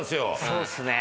そうっすね。